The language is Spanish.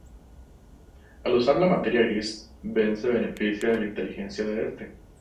Al usar a Materia Gris, Ben se beneficia de la inteligencia de este.